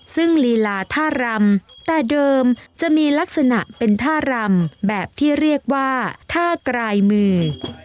ซึ่งลีลาท่ารำแต่เดิมจะมีลักษณะเป็นท่ารำแบบที่เรียกว่าท่ากลายมือ